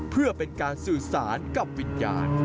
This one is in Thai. เพื่อเป็นการสื่อสารกับวิญญาณ